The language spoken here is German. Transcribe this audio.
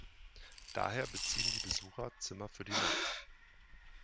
Daher beziehen die Besucher Zimmer für die Nacht.